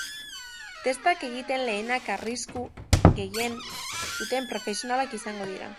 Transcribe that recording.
Testak egiten lehenak arrisku gehien duten profesionalak izango dira.